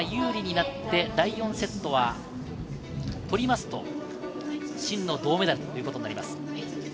シンが有利になって第４セットを取りますと、シンの銅メダルということになります。